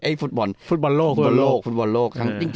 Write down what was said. เอ๊ะฟุตบอลโลก